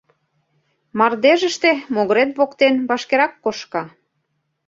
Мардежыште могырет воктен вашкерак кошка».